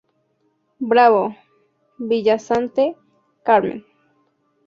Bravo-Villasante, Carmen.